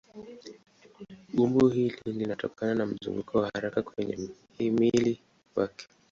Umbo hili linatokana na mzunguko wa haraka kwenye mhimili wake.